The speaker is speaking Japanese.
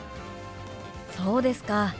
そうですか。